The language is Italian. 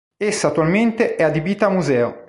Essa attualmente è adibita a museo.